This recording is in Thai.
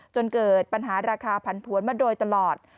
จนเกิดปัญหาราคาผันผวนมาโดยตลอด